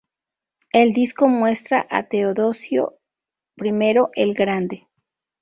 El disco muestra a Teodosio I el Grande.